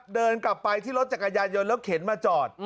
เดินกลับไปที่รถจักรยานยนต์แล้วเข็นมาจอด